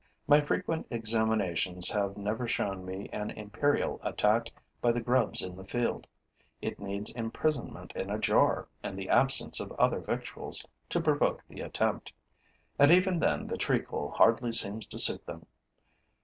My frequent examinations have never shown me an imperial attacked by the grubs in the field. It needs imprisonment in a jar and the absence of other victuals to provoke the attempt; and even then the treacle hardly seems to suit them.